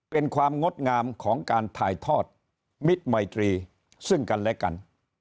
เป็นความงดงามของการถ่ายทอดมิตรมัยตรีซึ่งกันและกัน